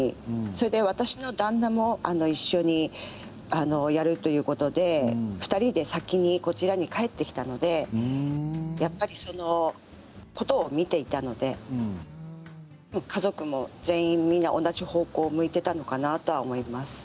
それで私の旦那も一緒にやるということで２人で先にこちらに帰ってきたのでやっぱりそのことを見ていたので家族も全員、みんな同じ方向を向いていたのかなとは思います。